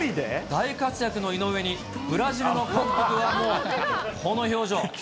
大活躍の井上に、ブラジルの監督はもうこの表情。